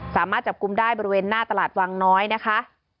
สามารถจับกลุ่มได้บริเวณหน้าตลาดวังน้อยนะคะ